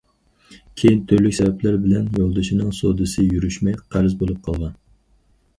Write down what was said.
كېيىن تۈرلۈك سەۋەبلەر بىلەن يولدىشىنىڭ سودىسى يۈرۈشمەي، قەرز بولۇپ قالغان.